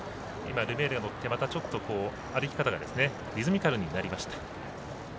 ルメールが乗ってまた歩き方がリズミカルになりました。